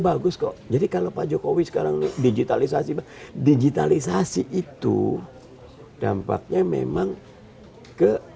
bagus kok jadi kalau pak jokowi sekarang digitalisasi digitalisasi itu dampaknya memang ke